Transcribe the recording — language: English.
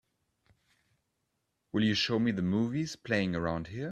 Will you show me the movies playing around here?